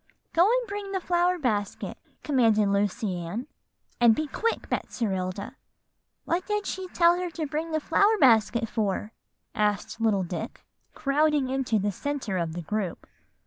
'Go and bring the flower basket,' commanded Lucy Ann, 'and be quick, Betserilda.'" "What did she tell her to bring the flower basket for?" asked little Dick, crowding into the centre of the group.